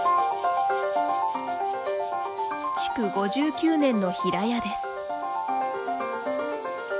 築５９年の平屋です。